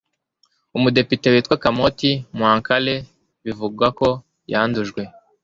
Umudepite witwa Kamoti Mwamkale bivugwa ko yandujwe